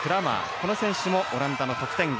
この選手もオランダの得点源。